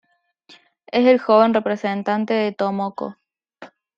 Es el joven representante de Tomoko.